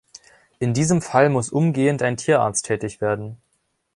In diesem Fall muss umgehend ein Tierarzt tätig werden.